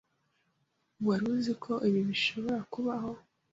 Wari uziko ibi bishobora kubaho.